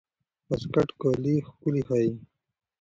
واسکټ کالي ښکلي ښيي.